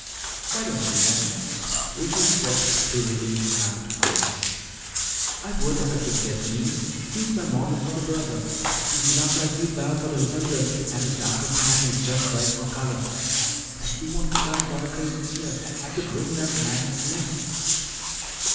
"Why don't you then?" Ricky stretched to relieve cramped muscles. "I would if I could get Jeems. He's my model for the brother. He's enough like you, Val, for the resemblance, and his darker tan is just right for color. But he won't come back while Creighton's here. I could wring that man's neck!"